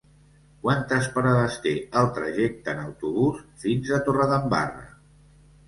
Quantes parades té el trajecte en autobús fins a Torredembarra?